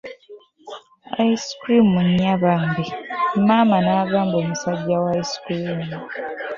Ice cream nnya bambi, maama n'agamba omusaijja wa ice cream.